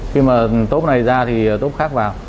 khi mà tốp này ra thì tốp khác vào